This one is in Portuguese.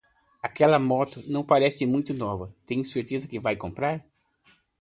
Aquela moto não parece muito nova. Tem certeza que vai comprar?